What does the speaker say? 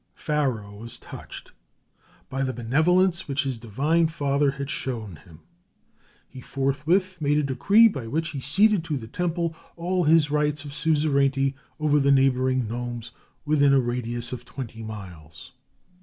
Pharaoh was touched by the benevolence which his divine father had shown him; he forthwith made a decree by which he ceded to the temple all his rights of suzerainty over the neighboring nomes within a radius of twenty miles.